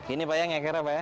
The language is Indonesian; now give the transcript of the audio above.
ini pak ya ngakirnya pak ya